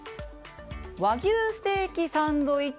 ワギュウステーキサンドイッチ